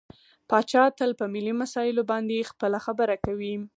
پاچا تل په ملي مسايلو باندې خپله خبرې کوي .